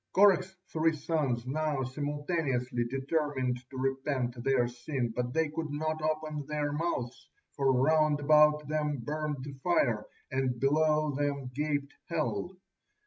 Korah's three sons now simultaneously determined to repent their sin, but they could not open their mouths, for round about them burned the fire, and below them gaped hell.